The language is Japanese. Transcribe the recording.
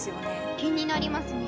気になりますね。